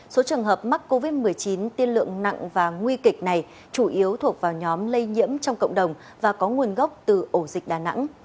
số trường hợp mắc covid một mươi chín tiên lượng nặng và nguy kịch này chủ yếu thuộc vào nhóm lây nhiễm trong cộng đồng và có nguồn gốc từ ổ dịch đà nẵng